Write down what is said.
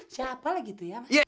siapa lagi itu ya mas